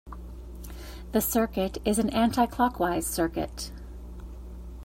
The circuit is an anticlockwise circuit.